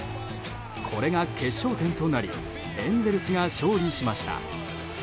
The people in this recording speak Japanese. これが決勝点となりエンゼルスが勝利しました。